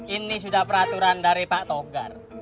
ini sudah peraturan dari pak togar